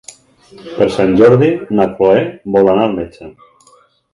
Per Sant Jordi na Cloè vol anar al metge.